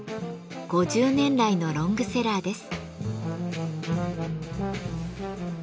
５０年来のロングセラーです。